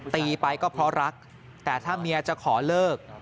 ตีไปก็เพราะรักแต่ถ้าเมียจะขอเลิก